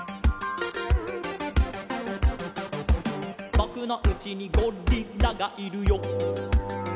「ぼくのうちにゴリラがいるよ」